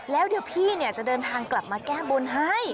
แล้วเดี๋ยวพี่จะเดินทางกลับมาแก้บนให้